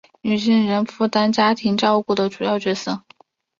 女性仍负担家庭照顾的主要角色